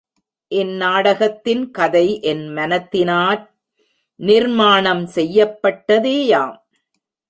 இந் நாடகத்தின் கதை என் மனத்தினால் நிர்மாணம் செய்யப்பட்டதேயாம்.